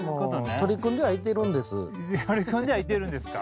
取り組んではいてるんですか。